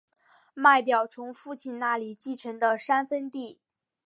卖掉从父亲那里继承的三分地